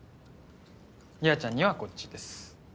優愛ちゃんにはこっちです。